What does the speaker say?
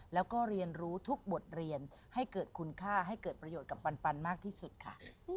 แล้วก็เรียนรู้ทุกบทเรียนให้เกิดคุณค่าให้เกิดประโยชน์กับปันมากที่สุดค่ะ